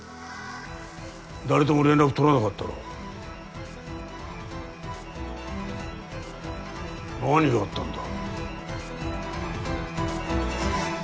誰とも連絡取らなかったろ何があったんだ？